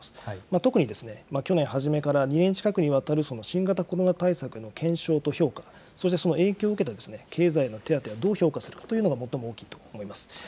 特に去年初めから２年近くにわたる新型コロナ対策の検証と評価、そしてその影響を受けた経済の手当をどう評価するかというのが最も大きいと思います。